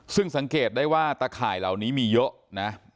ซึ่งสังเกตได้ว่าตะข่ายเหล่านี้มีเยอะนะ